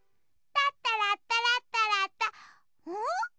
タッタラッタラッタラッタん？